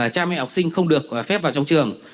cha mẹ học sinh không được phép vào trong trường